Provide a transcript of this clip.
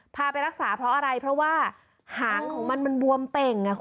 พาไปรักษาเพราะอะไรเพราะว่าหางของมันมันบวมเป่ง